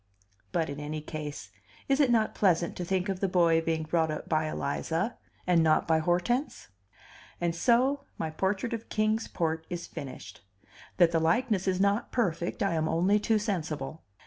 But, in any case, is it not pleasant to think of the boy being brought up by Eliza, and not by Hortense? And so my portrait of Kings Port is finished. That the likeness is not perfect, I am only too sensible.